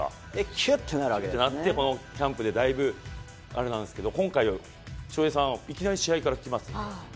きゅってなって、キャンプでだいぶあれなんですけど今回は翔平さんはいきなり試合から来ます。